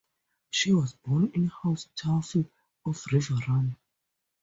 She was born into House Tully of Riverrun.